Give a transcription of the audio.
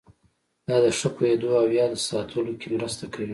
دا د ښه پوهېدو او یاد ساتلو کې مرسته کوي.